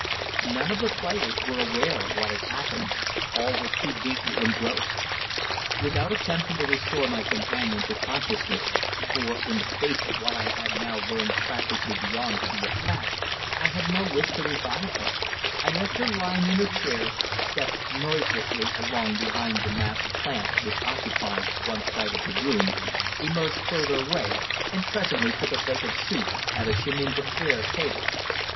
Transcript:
None of the players were aware of what had happened; all were too deeply engrossed. Without attempting to restore my companion to consciousness for, in the face of what I had now learned practically beyond doubt to be a fact, I had no wish to revive her I left her lying in her chair, stepped noiselessly along behind the mass of plants which occupied one side of the room, emerged further away, and presently took a vacant seat at a chemin de fer table.